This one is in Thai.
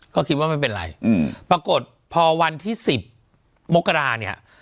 ก็คิดว่าไม่เป็นไรปรากฏพอวันที่สิบมกราเนี่ย